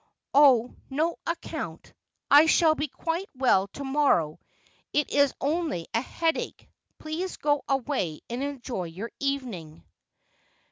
' On no account. I shall be quite well to morrow. It is only a headache. Please go away and enjoy your evening.'